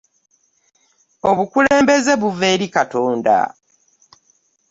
obukulembeze biba eri katonda.